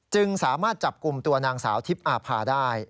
จึงสามารถจับกลุ่มตัวนางสาวทิพย์อาพารักษาได้